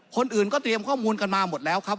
คนอื่นก็เตรียมข้อมูลกันมาหมดแล้วครับ